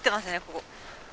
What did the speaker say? ここ。